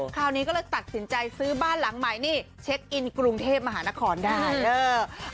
คราวนี้ก็เลยตัดสินใจซื้อบ้านหลังใหม่นี่เช็คอินกรุงเทพมหานครได้เด้อ